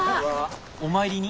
お参りに？